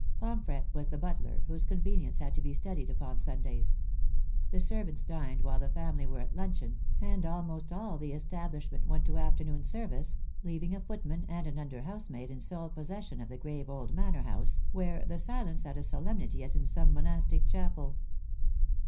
Pomfret was the butler, whose convenience had to be studied upon Sundays. The servants dined while the family were afc luncheon, and almost all the establishment went to afternoon service, leaving a footman and an under housemaid in sole possession of the grave old manor house, where the silence had a solemnity as in some monastic chapel.